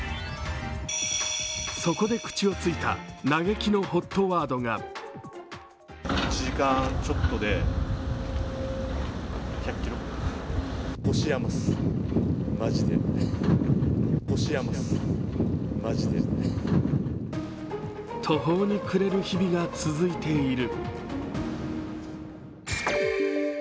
そこで口をついた嘆きのＨＯＴワードが途方に暮れる日々が続いている。